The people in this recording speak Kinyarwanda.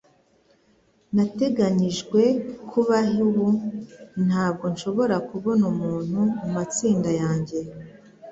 Nateganijwe kuba he ubu? Ntabwo nshobora kubona umuntu mumatsinda yanjye